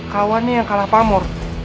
kawannya yang kalah pamor